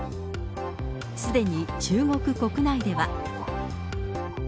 すでに中国国内では。